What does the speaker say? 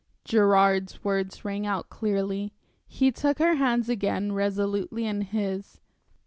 Gerard's words rang out clearly. He took her hands again resolutely in his.